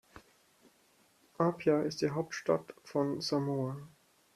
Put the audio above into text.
Apia ist die Hauptstadt von Samoa.